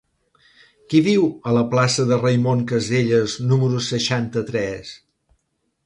Qui viu a la plaça de Raimon Casellas número seixanta-tres?